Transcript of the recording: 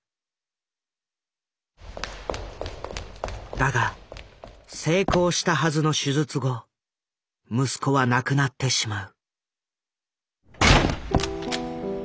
だが成功したはずの手術後息子は亡くなってしまう。